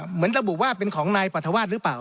เหมือนระบุว่าเป็นของนายปรัฐวาสหรือเปล่า